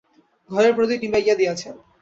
ঘরের প্রদীপ নিবাইয়া দিয়াছেন।